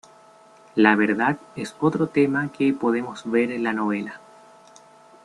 La verdad es otro tema que podemos ver en la novela.